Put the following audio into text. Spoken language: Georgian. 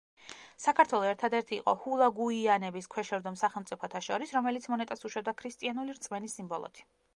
საქართველო ერთადერთი იყო ჰულაგუიანების ქვეშევრდომ სახელმწიფოთა შორის, რომელიც მონეტას უშვებდა ქრისტიანული რწმენის სიმბოლოთი.